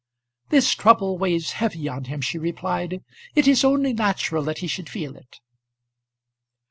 "This trouble weighs heavy on him," she replied. "It is only natural that he should feel it."